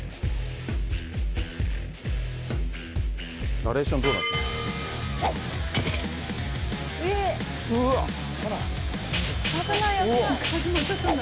ナレーションどうなってるの。